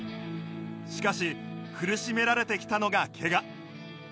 しかし苦しめられてきたのがケガ